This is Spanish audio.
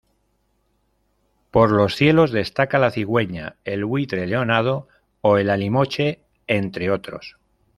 Por los cielos destaca la cigüeña, el buitre leonado o el alimoche, entre otros.